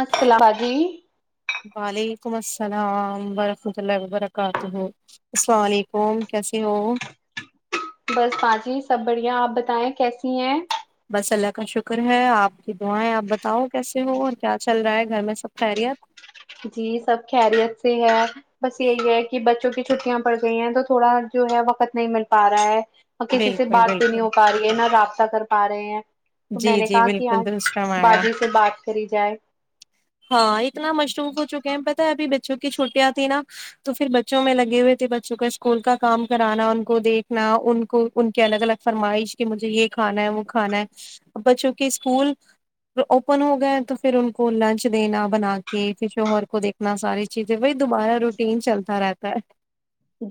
السل باجی وعلیکم السلام ورحمۃ اللہ وبرکاتہ السلام علیکم کیسے ہو بس باجی سب بڑھیا آپ بتائیں کیسی ہیں بس اللہ کا شکر ہے آپ کی دعائیں آپ بتاؤ کیسے ہو اور کیا چل رہا ہے گھر میں سب خریت جی سب خیریت سے ہے بس یہی ہے کہ بچوں کی چھٹیاں پڑ گئی ہیں تو تھوڑا جو ہے وقت نہیں مل پا رہا ہے نا کسی سے بالکل بات بھی نہیں بالکل ہو پا رہی ہے نہ رابطہ کر پا رہے ہیں تو میں جی نے جی کہا کہ بالکل آج درست فرمایا باجی سے بات کری جائے ہاں اتنا مشروم ہو چکے ہیں پتتا ہے اب بچوں کی چھوٹیاں اتی نا تو پھر بچوں میں لگے ہوئے تھے بچوں کو اسکول کا کام کرانا ان کو دیکھنا ان کو ان کے الگ الگ فرمائش کہ مجھے یہ کھانا ہے وہ کھانا ہے ا بچوں کے اسکول اوپن ہو گئے ہیں تو پھر ان کو لنچ دینا بنا کے پھر شوہر کو دیکھنا ساری چیزیں وہی دوبارہ روٹین چلتا رہتا ہے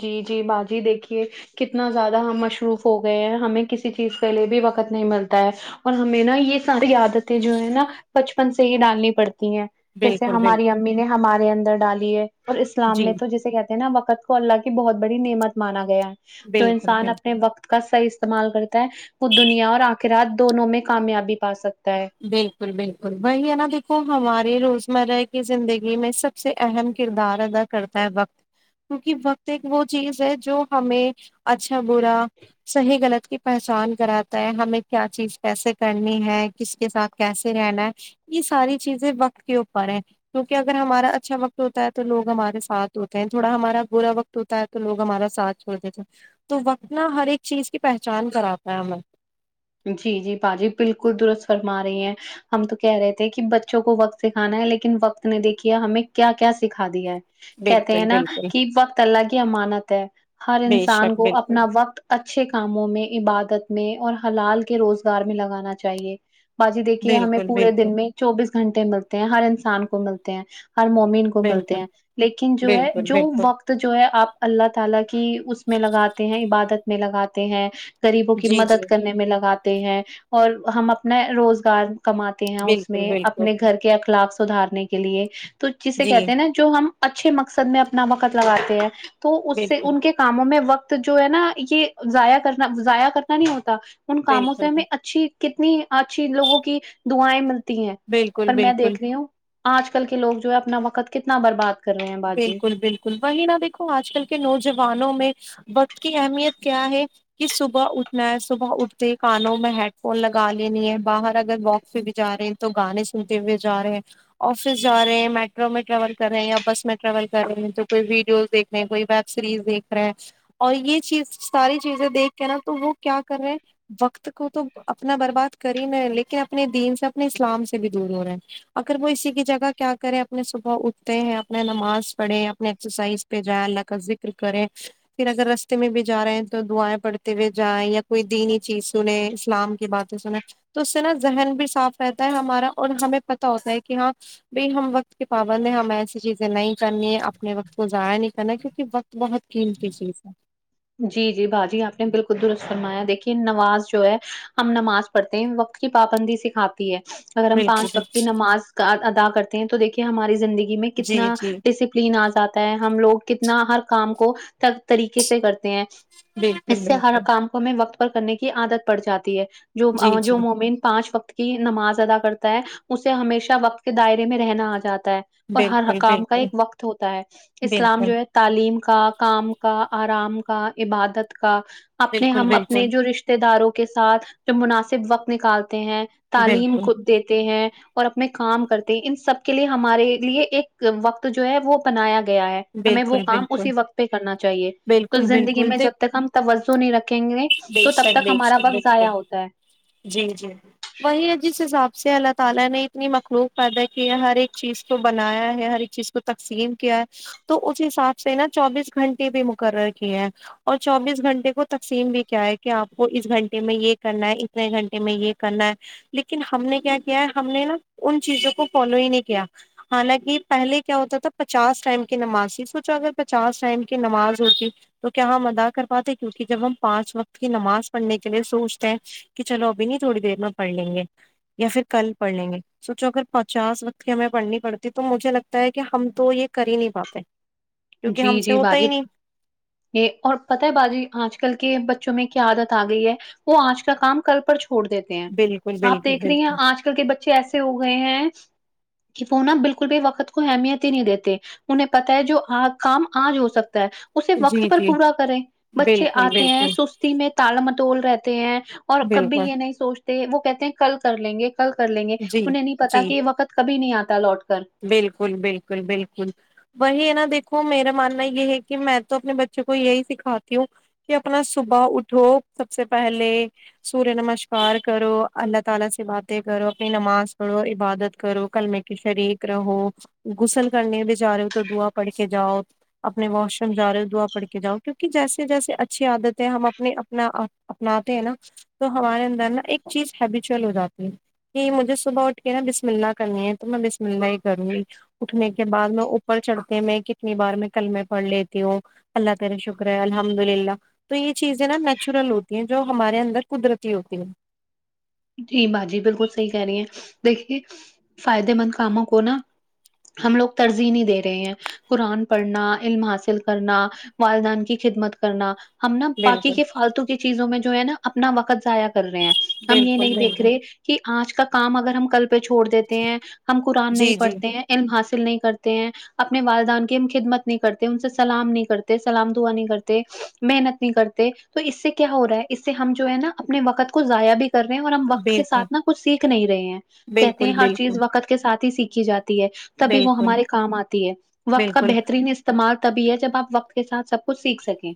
جی جی باجی دیکھیے کتنا زیادہ ہم مصروف ہو گئے ہیں ہمیں کسی چیز کے لیے بھی وقت نہیں ملتا ہے اور ہمیں نا یہ ساری عادت تی جو ہے نا بچپن سے ہی ڈالنی پڑتی ہیں جیسے بالکل ہماری بالکل امی نے ہمارے اندر ڈالی ہے اور اسلام جی میں تو جسے کہتے ہیں نا وقت کو اللہ کی بہت بڑی نعمت مانا گیا ہے تو بالکل انسان بالکل اپنے وقت کا صحیح استعمال کرتا ہے وہ دنیا اور آخرات دونوں میں کامیابی پا سک بالکل بالکل وہی ہے نا دیکھو ہمارے روزمرہ کی زندگی میں سب سب سے اہم کردار ادا کرتا ہے وقت کیونکہ وقت ایک وہ چیز ہے جو ہمیں اچھا برا صحیح غلط کی پہچان کراتا ہے ہمیں کیا چیز کیسے کرنی ہے کس کے ساتھ کیسے رہنا ہے یہ ساری چیزیں وقت کے اوپر ہے کیونکہ اگر ہمارا اچھا وقت ہوتا ہے تو لوگ ہمارے ساتھ ہوتے ہیں تھوڑا ہمارا برا وقت ہوتا ہے تو لوگ ہمارا ساتھ چھوڑ دیتے ہیں تو وقت نہ ہر ایک چیز کی پہچان کراتا ہے ہمیں جی جی با جی بالکل درست فرما رہی ہیں ہم تو کہہ رہے تھے کہ بچوں کو وقت سکھانا ہے لیکن وقت نے دیکھیا ہمیں کیا کیا سکھا دیا ہے کہتے ہیں بالکل نا بالکل کہ وقت اللہ کی امانت ہے ہر بے انسان شک کو بالکل اپنا وقت اچھے کاموں میں عبادت میں اور حلال کے روزگار میں لگانا چاہیے باجی دیکھیے ہمیں بالکل پورے دن بالکل میں چوبیس گھنٹے ملتے ہیں ہر انسان کو ملتے ہیں ہر مومین کو ملتے بالکل ہیں لیکن جو ہے بالکل جو بالکل وقت جو ہے آپ اللہ تعالی کی اس میں لگاتے ہیں عبادت میں لگاتے ہیں غریبوں کی جی جی مدد میں لگاتے ہیں اور ہم اپنا روزگار کماتے کہ تے اس بالکل میں بالکل اپنے گھر کے اخلاق سدھارنے کے لیے تو جسے جی کہتے ہیں نا جو ہم اچھے مقصد میں اپنا وقت لگاتے ہیں تو اس سے بالکل ان کے کاموں میں وقت جو ہے نا یہ ضائع کرنا ضائع کرنا نہیں ہوتا ان کاموں سے بالکل ہمیں اچھی کتنی اچھی لوگوں کی دعائیں مل تی ہے بالکل پر میں بالکل دیکھ رہی ہوں اج کل کے لوگ جو ہے اپنا وقت کتنا برباد کر رہے ہیں باجی بالکل بالکل وہی نہا دیکھو اج کل کے نوجوانوں میں وقت کی اہمیت کیا ہے کہ صبح اٹھنا ہے صبح اٹھتے ہی کانوں میں ہیڈ فون لگا لینی ہے باہر اگر واک پہ بھی جا رہے ہیں تو گانے سنتے ہوئے جا رہے ہیں افس جا رہے ہیں میٹرو میں ٹریول کر رہے ہیں یا بس میں ٹریول کر رہے ہیں تو کوئی ویڈیوز دیکھے کوئی سیریز دیکھ رہے ہیں اور یہ چیز ساری چیزیں دیکھ کے نا تو وہ کیا کر رہے وقت کو تو اپنا برباد کر ہی میں لیکن اپنے دین سے اپنے اسلام سے بھی دور ہو رہے ہیں اگر وہ اسی کی جگہ کیا کریں اپنے صبح اٹھتے ہیں نہ نماز پڑے اپنے ایکسرسائز پہ جائیں اللہ کا ذکر کرے پھر اگر رستے میں بھی جا رہے ہیں تو دعائیں پڑتے ہوئے جائیں یا کوئی دینی چیز سنے اسلام باتیں سنیں تو اس سے نا ذہن بھی صاف رہتا ہے ہمارا اور ہمیں پتا ہوتا ہے کہ ہاں بائی ہم وقت کے پابند ہے ہم ایسی چیز نہیں کرنی ہے اپنے وقت کو ضائع نہیں کرنا کیو کی وقت بہت قیمتی چیز ہے جی جی بھاجی اپ نے بالکل درست فرمایا دیکھیے نماز جو ہے ہم نماز پڑتے ہیں وقت کی پابندی سکھاتی ہے اگر ہم بالکل پانچ وقت بالکل کی نماز ادا کرتے ہیں تو دیکھیے ہماری زندگی میں جی کتنا جی ڈس دن جاتا ہے ہم لوگ کتنا ہر کام کو طریقے سے کرتے ہیں بالکل اس سے ہر بالکل کام کو ہمیں وقت پر کرنے کی عادت پڑ جاتی ہے جو جی جی جو مومن پانچ وقت کی نماز ادا کرتا ہے اسے ہمیشہ وقت کے دائرے میں رہنا اجاتا ہے اور ہر بالکل حکام کا بالکل ایک وقت ہوتا ہے اسلام بالکل جو ہے تعلیم کا کام کا ارام کا عبادت کا اپنے بالکل ہم بالکل اپنے جو رشتے داروں کے ساتھ جو مناسب وقت نکالتے ہیں تعلیم بالکل کود دیتے ہیں اور اپنے کام کرتے ان سب کے لیے ہمارے لیے ایک وقت جو ہے وہ بنایا گیا ہے ہمیں وہ بالکل کام بالکل اسی وقت پہ کرنا چاہیے تو بالکل زندگی بالکل میں جب دیک تک ہم توجہ نہیں رکھیں گے بے تو تب شک تک بے شک ہمارا وقت بالکل ضائع ہوتا ہے جی جی وہی ہے جس حساب سے اللہ تعالی نے اتنی مخلوق پیدا کی ہے ہر ایک چیز کو بنایا ہے ہر ایک چیز کو تقسیم کیا ہے تو اس حساب سے نا چوبیس گھنٹے بھی مقرر کیے اور چوبیس گھنٹے کو تقسیم بھی کیا ہے کہ اپ کو اس گھنٹے میں یہ کرنا ہے اتنے گھنٹے میں یہ کرنا ہے لیکن ہم نے کیا کیا ہے ہم نے نا ان چیزوں کو فالو ہی نہیں کیا حالانکہ پہلے کیا ہوتا تھا پچاس ٹائم کی نماز تھی سوچو اگر پچاس ٹائم کی نماز ہوتی تو کیا ہم ادا کر پاتے کیونکہ جب ہم پانچ وقت کی نماز پڑھنے کے لیے سوچتے ہیں کہ چلو ابھی نہیں تھوڑی دیر میں پڑھ لیں گے یا پھر کل پڑھ لیں گے سوچو اگر پچاس وقت کی ہمیں پڑھنی پڑتی تو مجھے لگتا ہے کہ ہم تو یہ کر ہی نہیں پاتے کیونکہ جی ہم سے جی ہوتا باجی ہی نہیں یہ اور پتہ ہے باجی اج کل کے بچوں میں کیا عادت اگئی ہے وہ اج کا کام کل پر چھوڑ دیتے ہیں بالکل اپ بالکل دیکھ رہی ہیں بالکل اج کل کے بچے ایسے ہو گئے ہیں کے وہ نا بالکل بھی وقت کو اہمیت ہی نہیں دیتے انہیں پتا ہے جو کام اج ہو سکتا ہے اسے وقت جی پر جی پورا کریں بچے بالکل آتے ہیں بالکل سستی میں تال متول رہتے ہیں اور کبھی بالکل یہ نہیں سوچتے وہ کہتے ہیں کل کر لیں گے کل کر لیں گے جی انہیں نہیں پتا جی کہ یہ وقت کبھی نہیں آتا لوٹ کر بالکل بالکل بالکل وہی ہے نا دیکھو میرا ماننا یہ ہے کہ میں تو اپنے بچوں کو یہی سکھاتی ہوں کہ اپنا صبح اٹھو سب سے پہلے سوریہ نمشکار کرو اللہ تعالی سے باتیں کرو اپنی نماز پڑھو عبادت کرو کلمے کی شریک رہو غسل کرنے بیچارے ہو تو دعا پڑھ کے جاؤ اپنے واش روم جا رہے ہو دعا پڑھ کے جاؤ کیونکہ جیسے جیسے اچھی عادتیں ہم اپنے اپنا اپناتے ہیں نا تو ہمارے اندر نا ایک چیز ہیبیچل ہو جاتی ہے کہ مجھے صبح اٹھ کے نا بسم اللہ کرنی ہے تو میں بسم اللہ ہی کروں گی اٹھنے کے بعد میں اوپر چڑھتے میں کتنی بار میں کلمے پڑ لیتی ہوں اللہ تیرے شکر ہے الحمد للہ تو یہ چیزیں نا نیچورل ہوتی ہیں جو ہمارے اندر قدرتی ہوتی ہیں جی باجی بالکل صحیح کہہ رہی ہیں دیکھیے فائدے مند کاموں کو نا ہم لوگ ترجیحیں نہیں دے رہے ہیں قرآن پڑھنا علم حاصل کرنا والدین کی خدمت کرنا ہم نا باقی بالکل کے فالتو کی چیزوں میں جو ہے نا اپنا وقت ضائع کر رہے ہیں ہم یہ نہیں بالکل دیکھ بالکل رہے کہ آج کا کام اگر ہم کل پہ چھوڑ دیتے ہیں ہم قرآن نہیں جی جی پڑھتے ہیں علم حاصل نہیں کرتے ہیں اپنے والدان کی ہم خدمت نہیں کرتے ان سے سلام نہیں کرتے سلام دعا نہیں کرتے محنت نہیں کرتے تو اس سے کیا ہو رہا ہے اس سے ہم جو ہے نا اپنے وقت کو ضائع بھی کر رہے ہیں اور ہم وقت کے بالکل ساتھ نا کچھ سیکھ نہیں رہے ہیں کہتے بالکل ہیں ہر بالکل چیز وقت کے ساتھ ہی سیکھی جاتی ہے تبھی وہ بالکل ہمارے کام آتی ہے وقت کا بالکل بہترین استعمال تبھی ہے جب آپ وقت کے ساتھ سب کچھ سیکھ سکیں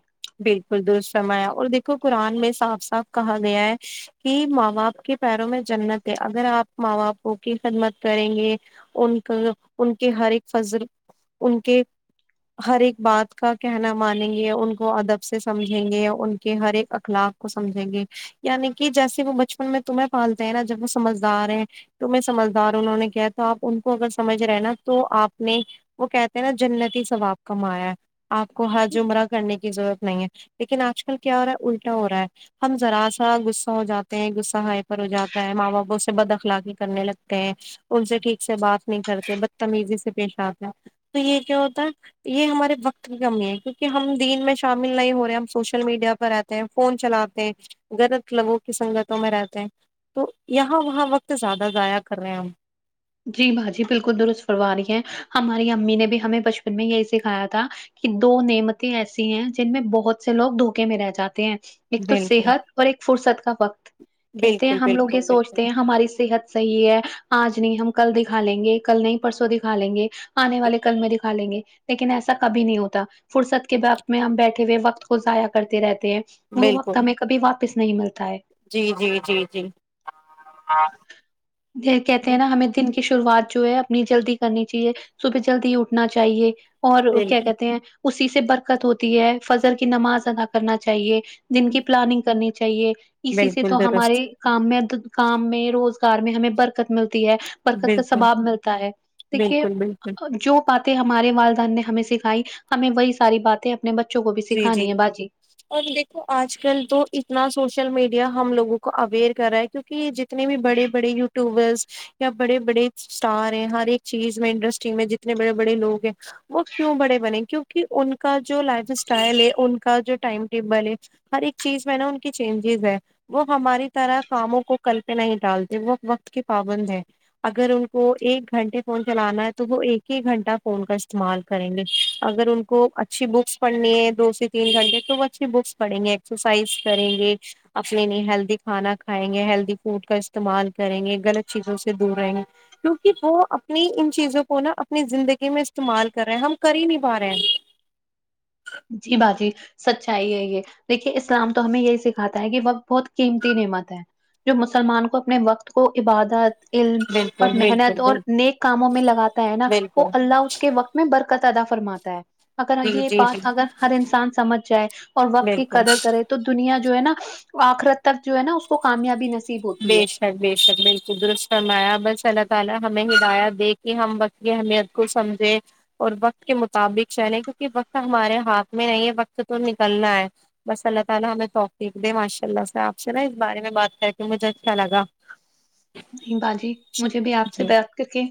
بالکل درست فرمایا اور دیکھو قرآن میں صاف صاف کہا گیا ہے کہ ماں باپ کے پیروں میں جنت ہے اگر آپ ماں باپوں کی خدمت کریں گے ان کا ان کے ہر ایک فضل ان کے ہر ایک بات کا کہنا مانیں گے ان کو وہ ادب سے سمجھیں گے اور ان کے ہر ایک اخلاق کو سمجھیں گے یعنی کہ جیسے وہ بچپن میں تمہیں پالتے ہیں نا جب وہ سمجھدار ہیں تو میں سمجھدار انہوں نے کیا تو آپ ان کو اگر سمجھ رہے ہیں نا تو آپ نے وہ کہتے ہیں نا جنتی ثواب کامایا ہے آپ کو ہر جمرہ کرنے کی کی ضرورت نہیں ہے لیکن آج کل کیا ہو رہا ہے الٹا ہو رہا ہے ہم ذرا سا غصہ ہو جاتے ہیں غصہ ہائے پر ہو جاتا ہے ماں باپوں سے بد اخلاقی کرنے لگتے ہیں ان سے ٹھیک سے بات نہیں کرتے بدتمیزی سے پیش آتا تو یہ کیا ہوتا ہے یہ ہمارے وقت کی کمی ہے کیونکہ ہم دن میں شامل نہیں ہو رہے ہم سوشل میڈیا پر رہتے ہیں فون چلاتے ہیں غلط لوگوں کی سنگتوں میں رہتے ہیں تو یہاں وہاں وقت زیادہ ضائع کر رہے ہیں ہم جی باجی بالکل درست فرما رہی ہے ہماری امی نے بھی ہمیں بچپن میں یہی سکھایا تھا کہ دو نعمتیں ایسی ہیں جن میں بہت سے لوگ دھوکے میں رہ جاتے ہیں ایک تو بالکل صحت اور ایک فرصت کا وقت کہتے ہیں بالکل ہم لوگ یہ بالکل بالکل سوچتے ہیں ہماری صحت صحیح ہے آج نہیں ہم کل دیکھا لیں گے کل نہیں پرسوں دیکھا لیں گے آنے والے کل میں د کھا لیں گے لیکن ایسا کبھی نہیں ہوتا فرصت کے بق میں ہم بیٹھے ہوئے وقت کو ضائع کرتے رہتے ہیں وہ وقت بالکل ہمیں کبھی واپس نہیں ملتا ہے جی جی جی جی پھر کہتے ہیں نا ہمیں دن کی شروعات جو ہے اپنی جلدی کرنی چاہیے صبح جلدی اٹھنا چاہیے اور وہ کیا بالکل کہتے ہیں اسی سے برکت ہوتی ہے فجر کی نماز ادا کرنا چاہیے دن کی پلاننگ کرنی چاہیے اسی سے تو بالکل درست ہمارے کام میں کام میں روزگار میں ہمیں برکت ملتی ہے برکت کا بالکل ثباب ملتا ہے دیکھیے بالکل بالکل جو باتیں ہمارے والدن نے ہمیں سکھائی ہمیں وہی ساری باتیں اپنے بچوں کو بھی جی جی سکھانی ہے باجی اور دیکھو آج کل تو اتنا سوشل میڈیا ہم لوگوں کو اویئر کر رہا ہے کیونکہ ج جتنے بھی بڑے بڑے یو ورس یا بڑے بڑے اسٹار ہیں ہر ایک چیز میں انڈرسٹی میں جتنے بڑے بڑے لوگ ہیں وہ کیوں بڑے بنے کیونکہ ان کا جو لائف اسٹائل ہے ان کا جو ٹائم ٹیبل ہے ہر ایک چیز میں نا ان کی چینجز ہے وہ ہماری طرح کاموں کو کل پہ نہیں ڈالتے وہ وقت کی پابند ہے اگر ان کو ایک گھنٹے فون چلانا ہے تو وہ ایک ہی گھنٹہ فون کا استعمال کریں گے اگر ان کو اچھی بکس پڑھنی ہے دو سے تین گھنٹے تو وہ اچھی بکس پڑیں گے ایکسرسائز کریں گے اپنے لیے ہیلدی کھانا کھائیں گے ہیلدی فوڈ کا استعمال کریں گے غلط چیزوں سے دور رہیں گے کیوںکہ وہ اپنی ان چیزوں کو نا اپنی زندگی میں استعمال کر رہے ہیں ہم کر ہی نہیں پا رہے ہیں جی باجی سچائی ہے یہ دیکھیے اسلام تو ہمیں یہی سکھاتا ہے کہ وہ بہت قیمتی نعمت ہے جو مسلمان کو اپنے وقت کو عبادا ت علم اور بالکل محنت بالکل اور بالکل نیک کاموں میں لگاتا ہے نا وہ بالکل اللہ اس کے وقت میں برکت ادا فرماتا ہے اگر اگ جی یہ جی بات جی اگر ہر انسان سمجھ جائے اور وقت کی بالکل قدر کرے تو دنیا جو ہے نا آخرت تک جو ہے نا اس کو کامیابی نصیب کرے بے شک بے شک بالکل درست فرمایا بس اللہ تعالی ہمیں ہدایت دے کہ ہم وق ت کی اہمیت کو سمجھے اور وقت کے مطابق چلیں کیونکہ وقت ہمارے ہاتھ میں نہیں ہے وقت تو نکلنا ہے بس اللہ تعالی ہمیں توقیق دے ماشاء اللہ سے آپ سے نا اس بارے میں بات کر تو مجھے اچھا لگا نہیں باجی مجھے بھی آپ سے جی بات کر کے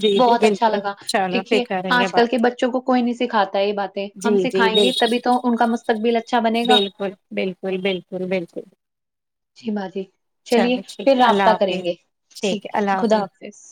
جی جی بہت اچھا بالکل لگا چلو پھر دیکھیے کریں گے آج کل کے بات بچوں کو کوئی نہیں سکھاتا یہ باتیں جی ہم جی سکھائیں گے بالکل تبھی تو ان کا مستقبل اچھا بنے گا بالکل بالکل بالکل بالکل جی باجی چلیے چلو پھر ٹھیک ہے رابطہ اللہ کریں حافظ گے ٹھیک اللہ ہے خدا حافظ